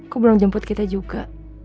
aku belum jemput kita juga